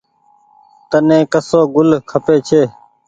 تني ڪسو گل کپي ڇي۔